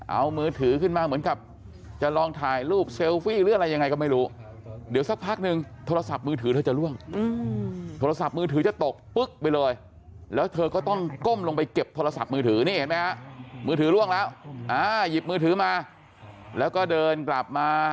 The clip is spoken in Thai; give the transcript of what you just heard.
เอามือถือขึ้นมาเหมือนครับ